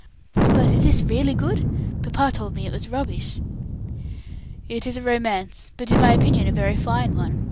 "But is this really good? Papa told me it was rubbish." "It is a romance, but, in my opinion, a very fine one.